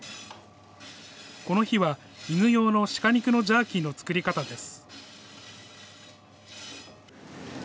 この日は犬用の鹿肉のジャーキーの作り方です。